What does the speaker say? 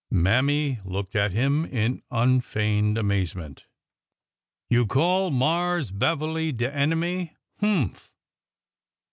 Mammy looked at him in unfeigned amazement. ''You call Marse Beverly de enemy? Humph!